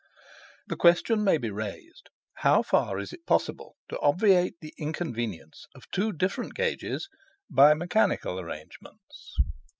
The question may be raised how far it is possible to obviate the inconvenience of two different gauges by mechanical arrangements?